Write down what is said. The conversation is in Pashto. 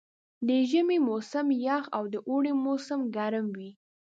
د ژمي موسم یخ او د اوړي موسم ګرم وي.